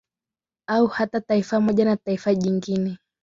Au hata Taifa moja na Taifa jingine